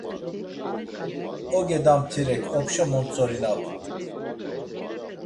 Oge damtirek opşa montzorinapu.